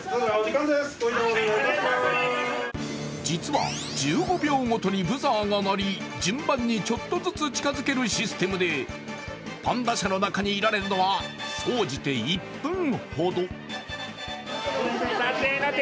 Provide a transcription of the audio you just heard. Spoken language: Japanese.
実は１５秒ごとにブザーが鳴り、順番にちょっとずつ近づけるシステムでパンダ舎の中にいられるのは総じて１分ほど。